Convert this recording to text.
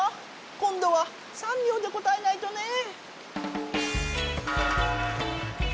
こんどは３秒で答えないとねえ。